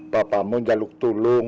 bapamu jaluk tulung